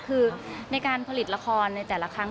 คือในการผลิตละครในแต่ละครั้ง